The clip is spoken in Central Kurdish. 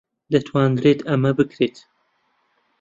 دەتوانرێت ئەمە بکرێت.